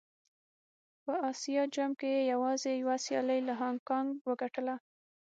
په اسيا جام کې يې يوازې يوه سيالي له هانګ کانګ وګټله.